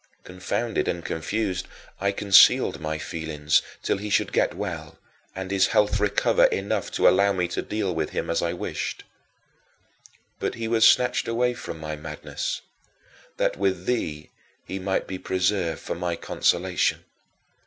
Confounded and confused, I concealed my feelings till he should get well and his health recover enough to allow me to deal with him as I wished. But he was snatched away from my madness, that with thee he might be preserved for my consolation.